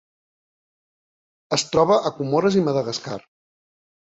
Es troba a Comores i Madagascar.